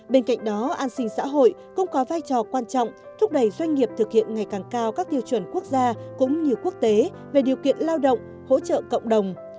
bên cạnh đó an sinh xã hội cũng có vai trò quan trọng thúc đẩy doanh nghiệp thực hiện ngày càng cao các tiêu chuẩn quốc gia cũng như quốc tế về điều kiện lao động hỗ trợ cộng đồng